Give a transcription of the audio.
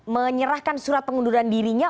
menyerahkan surat pengunduran dirinya